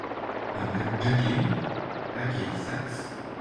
A man juggling hackey sacks